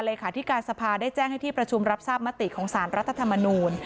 เลขาธิการสภาได้แจ้งให้ที่ประชุมรับทราบมติของสารรัฐธรรมนูล